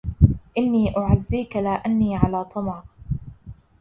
إني أعزيك لا أني على طمع